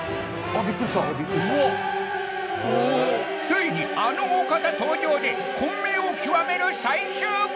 ついにあのお方登場で混迷を極める最終回